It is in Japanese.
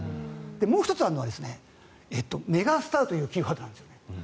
もう１つあるのはメガスターというキーワードなんです。